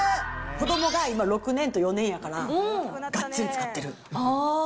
子どもが今、６年と４年やから、がっつり使ってる。